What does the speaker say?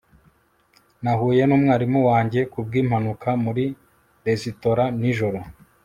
nahuye numwarimu wanjye kubwimpanuka muri resitora nijoro